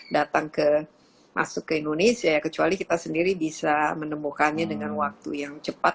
datang masuk ke indonesia ya kecuali kita sendiri bisa menemukannya dengan waktu yang cepat